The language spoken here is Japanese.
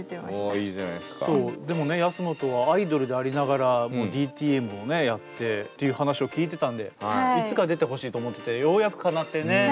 でもね安本はアイドルでありながらＤＴＭをねやってという話を聞いてたんでいつか出てほしいと思っててようやくかなってね。